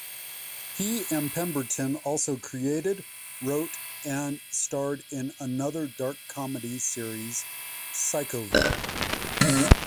He and Pemberton also created, wrote and starred in another dark comedy series "Psychoville".